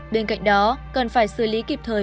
bên cạnh đó cần phải xử lý kịp thời